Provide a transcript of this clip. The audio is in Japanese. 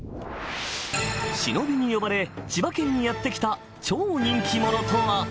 忍びに呼ばれ千葉県にやって来た超人気者とは？